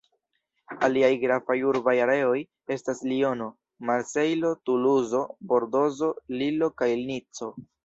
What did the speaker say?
Aliaj gravaj urbaj areoj estas Liono, Marsejlo, Tuluzo, Bordozo, Lillo kaj Nico.